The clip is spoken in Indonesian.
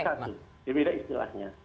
jadi kasus divida istilahnya